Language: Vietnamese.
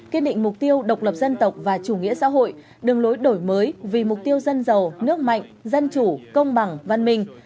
kiên định mục tiêu độc lập dân tộc và chủ nghĩa xã hội đường lối đổi mới vì mục tiêu dân giàu nước mạnh dân chủ công bằng văn minh